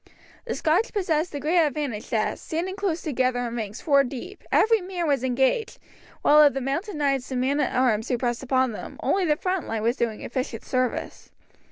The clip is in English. The Scotch possessed the great advantage that, standing close together in ranks four deep, every man was engaged, while of the mounted knights and men at arms who pressed upon them, only the front line was doing efficient service.